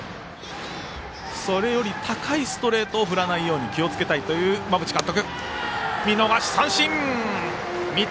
それより高いストレートを振らないように気をつけたいという馬淵監督。